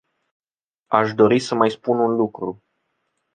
Aș dori să mai spun un lucru.